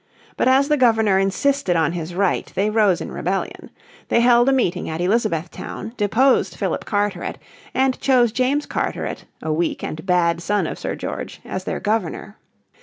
But as the Governor insisted on his right they rose in rebellion. They held a meeting at Elizabethtown, deposed Philip Carteret, and chose James Carteret a weak and bad son of Sir George, as their Governor.